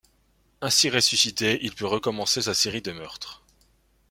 Ainsi ressuscité, il peut recommencer sa série de meurtres.